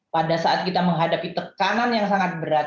pada saat kita menghadapi tekanan yang sangat berat